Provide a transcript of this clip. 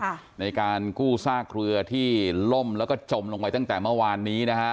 ในการกู้ซากเรือที่ล่มแล้วก็จมลงไปตั้งแต่เมื่อวานนี้นะฮะ